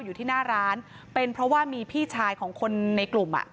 อยู่ที่หน้าร้านเป็นเพราะว่ามีพี่ชายของคนในกลุ่มอ่ะ